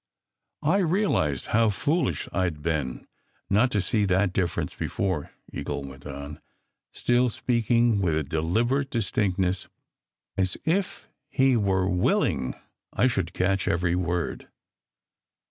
" I realized how foolish I d been, not to see that difference before," Eagle went on, still speaking with a deliberate dis tinctness, as if he were willing I should catch every word.